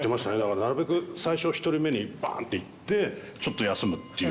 なるべく最初１人目にばーんっていって、ちょっと休むっていう。